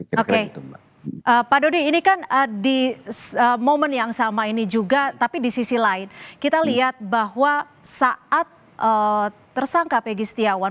oke pak dodi ini kan di momen yang sama ini juga tapi di sisi lain kita lihat bahwa saat tersangka pegi setiawan